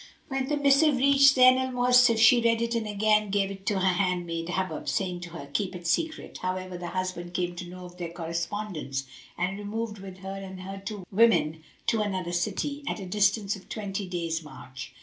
When the missive reached Zayn al Mawasif, she read it and again gave it to her handmaid Hubub, saying to her, "Keep it secret!" However, the husband came to know of their correspondence and removed with her and her two women to another city, at a distance of twenty days' march.